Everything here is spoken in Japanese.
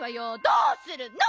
どうするの！